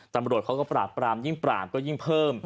ตำรวจเขาก็ปราบปรามยิ่งปราบก็ยิ่งเพิ่ม